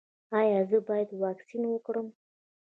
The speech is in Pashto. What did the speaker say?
ایا زه باید واکسین وکړم؟